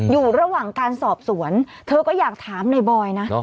อยู่ระหว่างการสอบสวนเธอก็อยากถามในบอยนะ